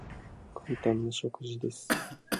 簡単な食事です。